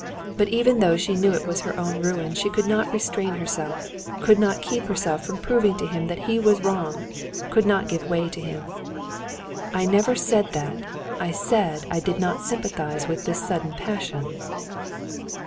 But even though she knew it was her own ruin, she could not restrain herself, could not keep herself from proving to him that he was wrong, could not give way to him. "I never said that; I said I did not sympathize with this sudden passion."